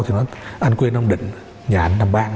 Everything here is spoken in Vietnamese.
thì nói anh quê nam định nhà anh nam bang